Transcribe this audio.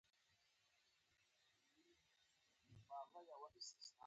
د پرسټر جان پر افسانې را ټول شول.